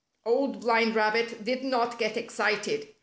Old Blind Rabbit did not get excited.